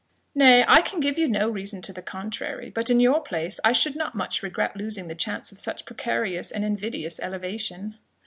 "Nay, I can give you no reason to the contrary; but in your place I should not much regret losing the chance of such precarious and invidious elevation."